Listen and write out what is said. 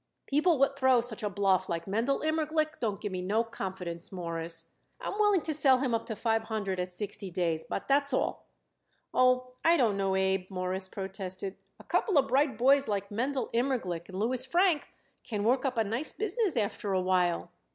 People what throw such a bluff like Mendel Immerglick don't give me no confidence, Mawruss. I'm willing to sell him up to five hundred at sixty days, but that's all." "Oh, I don't know, Abe," Morris protested. "A couple of bright boys like Mendel Immerglick and Louis Frank can work up a nice business after a while."